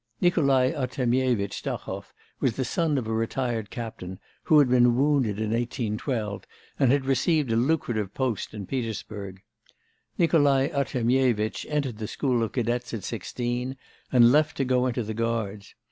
Nikolai Artemyevitch Stahov was the son of a retired captain, who had been wounded in 1812, and had received a lucrative post in Petersburg. Nikolai Artemyevitch entered the School of Cadets at sixteen, and left to go into the Guards.